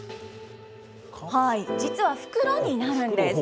実は袋になるんです。